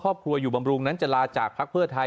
ครอบครัวอยู่บำรุงนั้นจะลาจากภักดิ์เพื่อไทย